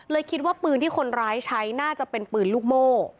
คิดว่าปืนที่คนร้ายใช้น่าจะเป็นปืนลูกโม่